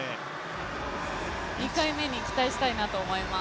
２回目に期待したいなと思います。